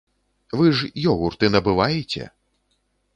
Вы ж ёгурты набываеце!